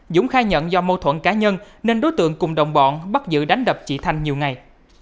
dũng khai nhận do mâu thuẫn cá nhân nên đối tượng cùng đồng bọn bắt giữ đánh đập chị thanh nhiều ngày